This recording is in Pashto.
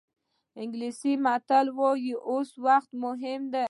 انګلیسي متل وایي اوسنی وخت مهم دی.